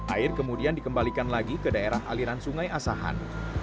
air kemudian dikembalikan lagi ke daerah aliran sungai asahan